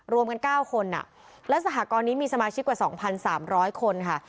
รวมกัน๙คนและสหกรณ์นี้มีสมาชิกกว่า๒๓๐๐คนค่ะ